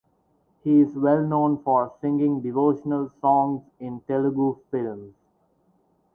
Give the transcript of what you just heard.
He is well known for singing devotional songs in Telugu films.